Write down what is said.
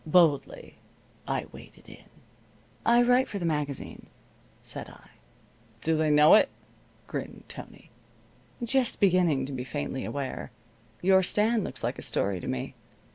Boldly I waded in. "I write for the magazines," said I. "Do they know it?" grinned Tony. "Just beginning to be faintly aware. Your stand looks like a story to me.